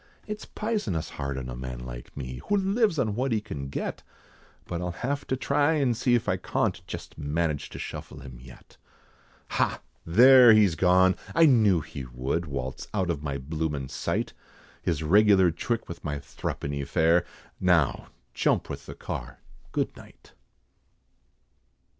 It's pisonous hard on a man like me, Who lives on what he can get, But I'll have to try and see if I cawnt, Jest manage to shuffle him yet. Ha! there, he's gone! I knew that he would, Waltz out of my bloomin' sight! His regular trick with my thruppeny fare, Now jump with the car, good night."